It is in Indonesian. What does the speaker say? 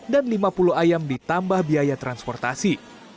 dan lima puluh ayam ditambah biaya transportasi